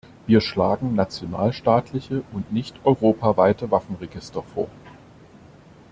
Wir schlagen nationalstaatliche und nicht europaweite Waffenregister vor.